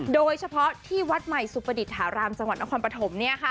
โดยเฉพาะที่วัดใหม่สุประดิษฐารามจังหวัดนครปฐม